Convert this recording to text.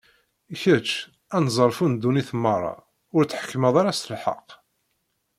Kečč, anezzarfu n ddunit meṛṛa, ur tḥekkmeḍ ara s lḥeqq?